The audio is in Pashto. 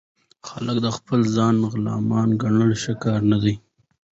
خلک د خپل ځان غلامان ګڼل ښه کار نه دئ.